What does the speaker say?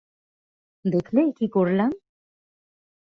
দেখলে কী করলাম?